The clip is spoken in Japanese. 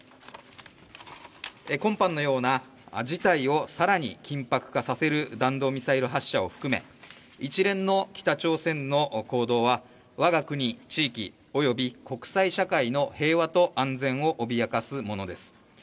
今般のような事態を更に緊迫化させる弾道ミサイル発射を含め一連の北朝鮮の行動は、我が国地域及び国際社会の平和と安全を脅かすものです。